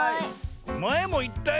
まえもいったよ。